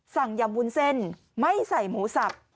สั่งยามวุ้นเส้นไม่ใส่หมูสับ